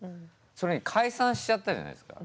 それに解散しちゃったじゃないですか。